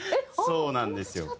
そうなんですよ。